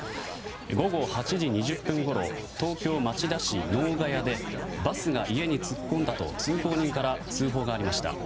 午後８時２０分ごろ東京・町田市能ヶ谷でバスが家に突っ込んだと通行人から通報がありました。